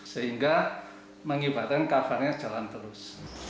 sehingga mengibarkan kavhrnya jalan terus